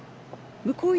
向こう